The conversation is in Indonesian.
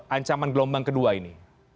ancaman gelombang kedua ini